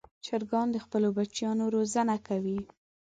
چرګان د خپلو بچیانو روزنه کوي.